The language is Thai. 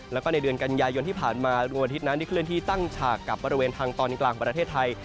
แล้วก็ในเดือนกันยายนที่ผ่านมาดวงอาทิตย์นั้นได้เคลื่อนที่ตั้งฉากกับบริเวณทางตอนกลางประเทศไทย